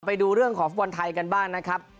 ไปดูเรื่องของฟุตบอลไทยกันบ้างนะครับ